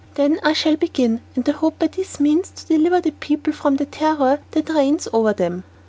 Then I shall begin, and I hope by this means to deliver the people from the terror that reigns over them."